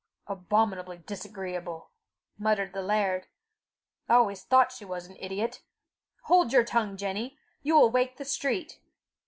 "Abominably disagreeable!" muttered the laird. "I always thought she was an idiot! Hold your tongue, Jenny! you will wake the street.